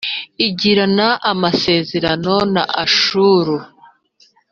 igirana amasezerano na Ashuru,